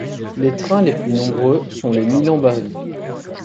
Les trains les plus nombreux sont les Milan-Bari.